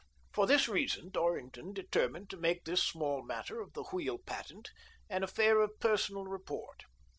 For this reason Dorrington determined to make this small matter of the wheel patent an affair of personal report.